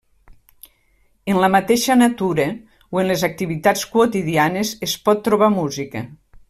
En la mateixa natura o en les activitats quotidianes es pot trobar música.